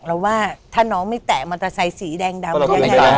เราว่าถ้าน้องไม่แตกมอเตอร์ไซสีแดงดำ